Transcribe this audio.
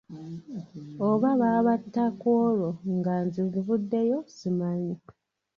Oba baabatta ku olwo nga nze nvuddeyo simanyi.